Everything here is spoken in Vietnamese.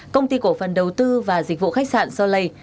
công ty cổ phần đầu tư và dịch vụ khách sạn solay